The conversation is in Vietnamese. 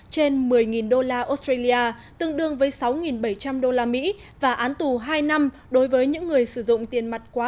trên một mươi usd tương đương với sáu bảy trăm linh usd và án tù hai năm đối với những người sử dụng tiền mặt quá